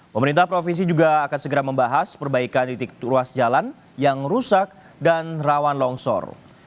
pemerintah provinsi juga akan segera membahas perbaikan titik ruas jalan yang rusak dan rawan longsor